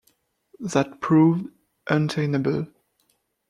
That proved untenable.